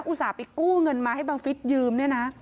อุตส่าห์ไปกู้เงินมาให้บางฟิตยืม